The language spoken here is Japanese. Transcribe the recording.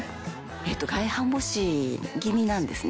外反母趾気味なんですね。